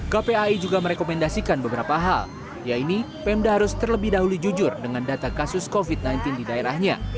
kpai juga merekomendasikan beberapa hal yaitu pemda harus terlebih dahulu jujur dengan data kasus covid sembilan belas di daerahnya